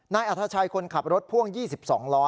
นายอัธชัยคนขับรถพ่วง๒๒ล้อ